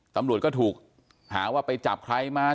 ตำรวจก็ถูกหาว่าไปจับใครมา